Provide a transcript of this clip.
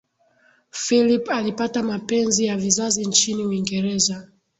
philip alipata mapenzi ya vizazi nchini uingereza